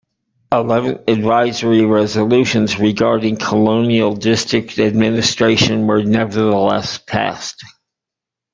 Eleven advisory resolutions regarding colonial district administration were nevertheless passed.